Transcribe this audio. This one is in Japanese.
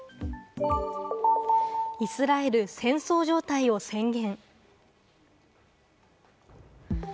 イスラエル、戦争状態を宣言。